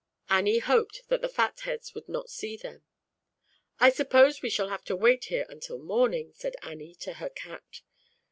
Annie hoped that the Fat Heads would not see them. "I suppose we shall have to wait here until morning," said Annie to her Cat.